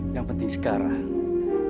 yang penting sekarang